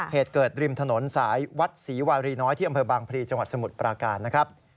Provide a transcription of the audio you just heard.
เหตุเกิดริมถนนสายวัดศรีวารีน้อยที่อำเภอบางพลีจังหวัดสมุทรปราการนะครับ